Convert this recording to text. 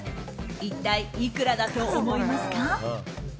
一体いくらだと思いますか。